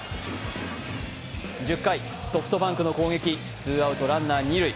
１０回、ソフトバンクの攻撃、ツーアウト・ランナー、二塁。